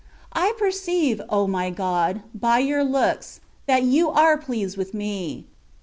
I perceive, O my God! by your looks, that you are pleased with me.